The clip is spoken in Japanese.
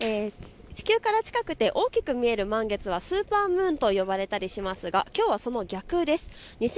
地球から近くて大きく見える満月はスーパームーンと呼ばれたりしますがきょうはその逆です。